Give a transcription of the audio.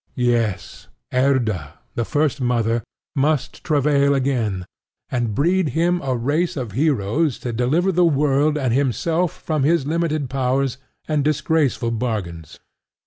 Yes: Erda, the First Mother, must travail again, and breed him a race of heroes to deliver the world and himself from his limited powers and disgraceful bargains.